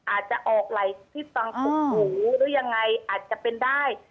อาจจะออกไหล่ที่ฟังถูกหูหรือยังไงอาจจะเป็นได้